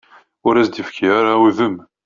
Ur as-d-yefki ara udem.